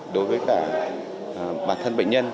đối với cả bản thân bệnh nhân